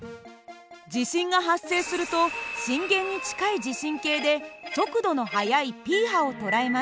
地震が発生すると震源に近い地震計で速度の速いＰ波を捉えます。